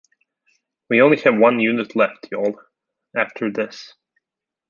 We only have one unit left, y'all. After this.